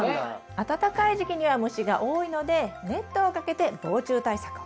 暖かい時期には虫が多いのでネットをかけて防虫対策を。